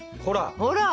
ほら！